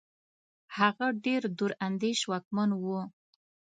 هغه ډېر دور اندېش واکمن وو.